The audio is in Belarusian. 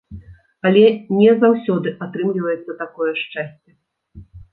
Але не заўсёды атрымліваецца такое шчасце!